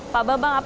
pak bambang apakah